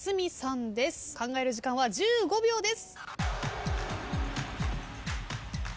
考える時間は１５秒です。